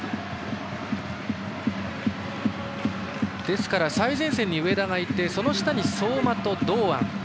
ですから、最前線に上田がいてその下に相馬と堂安。